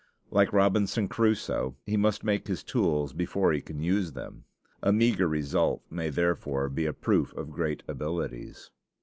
Like Robinson Crusoe, he must make his tools before he can use them. A meagre result may therefore be a proof of great abilities.